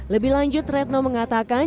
lebih lanjut retno mengatakan